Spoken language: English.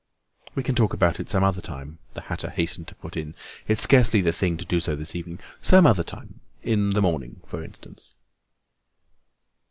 "We can talk about it some other time," the hatter hastened to put in. "It's scarcely the thing to do so this evening. Some other time—in the morning for instance."